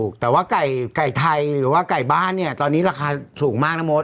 ถูกแต่ว่าไก่ไทยหรือว่าไก่บ้านเนี่ยตอนนี้ราคาสูงมากนะมด